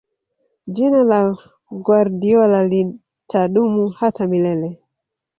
jina la guardiola litadumu hata milele